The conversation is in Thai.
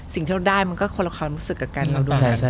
สิ่งที่เราได้มันก็คนละความรู้สึกกับการเราดูแลกัน